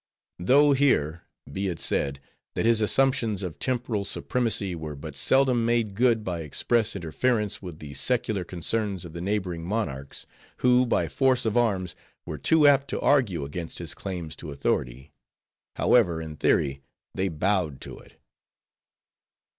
Though here, be it said, that his assumptions of temporal supremacy were but seldom made good by express interference with the secular concerns of the neighboring monarchs; who, by force of arms, were too apt to argue against his claims to authority; however, in theory, they bowed to it.